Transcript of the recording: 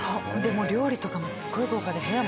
料理とかもすごい豪華で部屋も素晴らしいの。